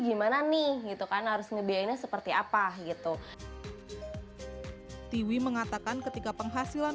gimana nih gitu kan harus ngebiayainnya seperti apa gitu tiwi mengatakan ketika penghasilan